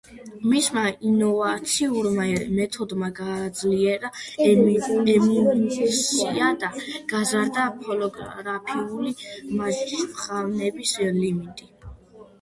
მისმა ინოვაციურმა მეთოდმა გააძლიერა ემულსია და გაზარდა ფოტოგრაფიული გამჟღავნების ლიმიტი.